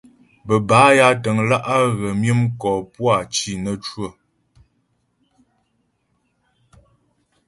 Bə́ bâ ya təŋlǎ' á ghə myə mkɔ puá cì nə́ cwə.